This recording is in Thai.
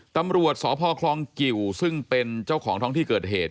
ตำรวจสพคลองกิวซึ่งเป็นเจ้าของท้องที่เกิดเหตุ